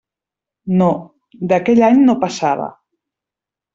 No; d'aquell any no passava.